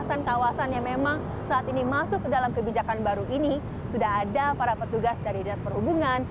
kawasan kawasan yang memang saat ini masuk ke dalam kebijakan baru ini sudah ada para petugas dari dinas perhubungan